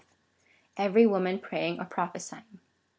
Eve7 y woman praying or prophesying.